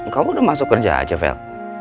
kamu udah masuk kerja ace vel